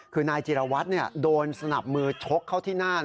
คือนายจิรวัตรโดนสนับมือชกเข้าที่หน้า